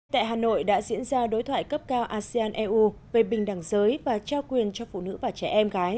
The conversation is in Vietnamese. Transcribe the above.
tại hà nội đã diễn ra đối thoại cấp cao asean eu về bình đẳng giới và trao quyền cho phụ nữ và trẻ em gái